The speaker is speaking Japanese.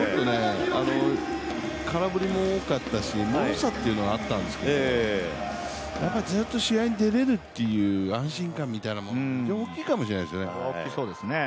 空振りも多かったし、もろさってのがあったんだけど、ずっと試合に出れるっていう安心感っていうのは非常に大きいかもしれないですね。